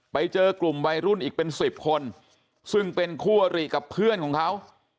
ไปเจอกลุ่มวัยรุ่นอีกเป็น๑๐คนซึ่งเป็นคู่อริกับเพื่อนของเขา